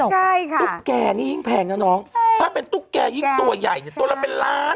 ใช่ค่ะตุ๊กแกนี่ยิ่งแพงนะน้องใช่ถ้าเป็นตุ๊กแกยิ่งตัวใหญ่เนี่ยตัวละเป็นล้าน